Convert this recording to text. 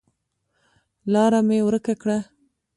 لاره مې ورکه کړه